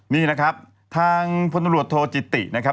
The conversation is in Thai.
นี่นะครับทางพลตำรวจโทจิตินะครับ